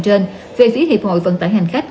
trên về phía hiệp hội vận tải hành khách